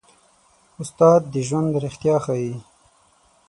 استاد د ژوند رښتیا ښيي.